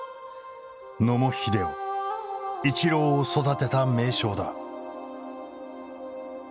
野茂英雄イチローを育てた名将だ。